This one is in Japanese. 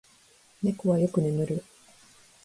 猫はよく眠る。